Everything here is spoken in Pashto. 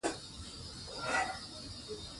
انګریزان د نجات لاره تړي.